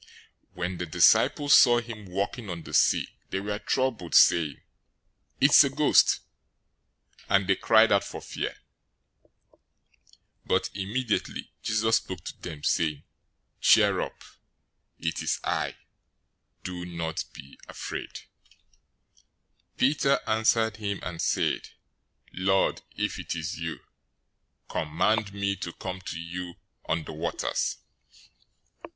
014:026 When the disciples saw him walking on the sea, they were troubled, saying, "It's a ghost!" and they cried out for fear. 014:027 But immediately Jesus spoke to them, saying "Cheer up! It is I!{or, I AM!} Don't be afraid." 014:028 Peter answered him and said, "Lord, if it is you, command me to come to you on the waters."